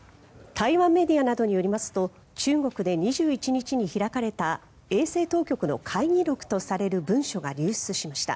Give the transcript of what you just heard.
台湾メディアなどによりますと中国で２１日に開かれた衛生当局の会議録とされる文書が流出しました。